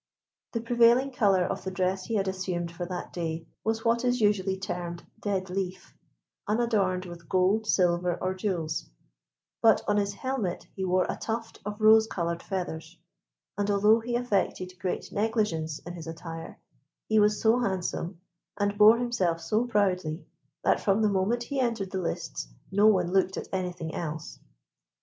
The prevailing colour of the dress he had assumed for that day was what is usually termed "dead leaf," unadorned with gold, silver, or jewels; but on his helmet he wore a tuft of rose coloured feathers, and although he affected great negligence in his attire, he was so handsome, and bore himself so proudly, that from the moment he entered the lists no one looked at anything else.